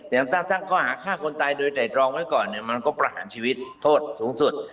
ตั้งข้อหาฆ่าคนตายโดยแต่ตรองไว้ก่อนเนี่ยมันก็ประหารชีวิตโทษสูงสุด